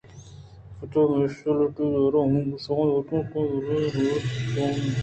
پدا میونسلپٹی ءِ ادارہ ہم گوٛشگ بوتگ اَت بلئے آ حبر ءَسک دیر اِنت